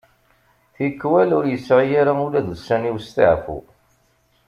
Tikwal ur yesɛi ara ula d ussan i usteɛfu.